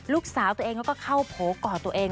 ลูกสาวตัวเองแล้วก็เข้าโผล่ก่อตัวเอง